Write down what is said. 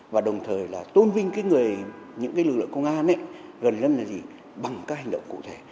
và đồng thời là tôn vinh cái lực lượng công an gần dân là gì bằng các hành động cụ thể